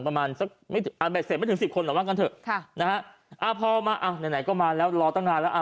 เสร็จไม่ถึง๑๐คนหรอกว่ากันเถอะพอมาไหนก็มาแล้วรอตั้งนานแล้ว